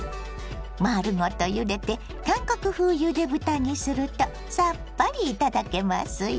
丸ごとゆでて韓国風ゆで豚にするとさっぱり頂けますよ。